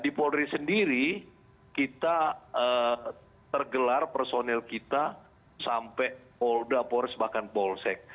di polri sendiri kita tergelar personil kita sampai polda polres bahkan polsek